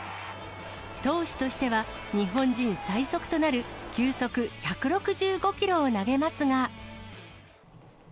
投手としては日本人最速となる球速１６５キロを投げますが。